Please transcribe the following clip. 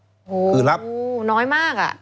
โอ้โหน้อยมากอ่ะ